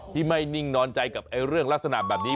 ไม่นิ่งนอนใจกับเรื่องลักษณะแบบนี้